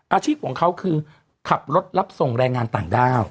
อาชีพของเขาคือขับรถรับส่งแรงงานต่างด้าว